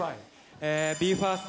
ＢＥＦＩＲＳＴ